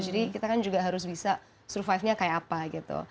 jadi kita kan juga harus bisa survive nya kayak apa gitu